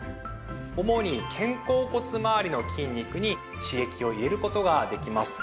主に肩甲骨まわりの筋肉に刺激を入れる事ができます。